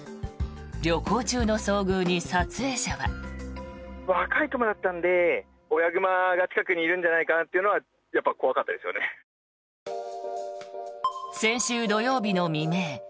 旅行中の遭遇に、撮影者は。先週土曜日の未明